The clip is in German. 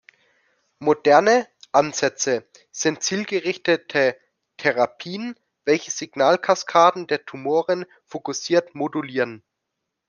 Moderne Ansätze sind zielgerichtete Therapien, welche Signalkaskaden der Tumoren fokussiert modulieren.